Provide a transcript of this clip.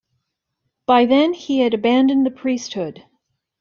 By then, he had abandoned the priesthood.